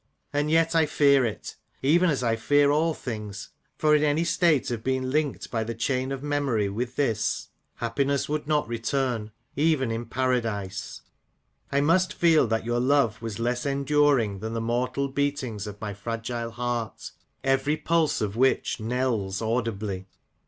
And yet I fear it ; even as I fear all things ; for in any state of being linked by the chain of memory with this, happiness would not return — even in Paradise, I must feel that your love was less enduring than the mortal beatings of my fragile heart, every pulse of which knells audibly.